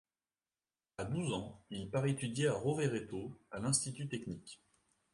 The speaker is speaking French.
À douze ans, il part étudier à Rovereto à l’institut technique.